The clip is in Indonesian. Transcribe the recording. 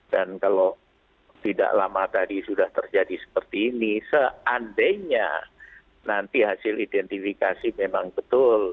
dan kalau tidak lama tadi sudah terjadi seperti ini seandainya nanti hasil identifikasi memang betul